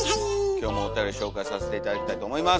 今日もおたより紹介させて頂きたいと思います。